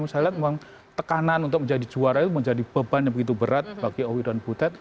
saya lihat memang tekanan untuk menjadi juara itu menjadi beban yang begitu berat bagi owi dan butet